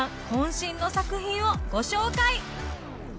渾身の作品をご紹介